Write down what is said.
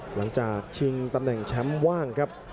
หลังจากชิงตำแหน่งแชมป์ว่างครับ